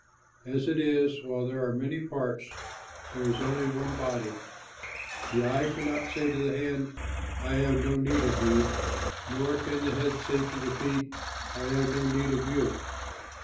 As it is, while there are many parts, there is only one body. The eye cannot say to the hand, "I have no need of you," nor can the head say to the feet, "I have no need of you."